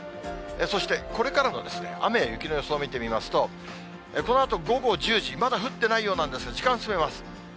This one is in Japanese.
そしてこれからの雨や雪の予想を見てみますと、このあと午後１０時、まだ降ってないようなんですが、時間進めます。